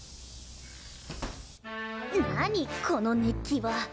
なにこの熱気は。